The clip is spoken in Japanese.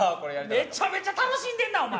めちゃめちゃ楽しんでんなお前。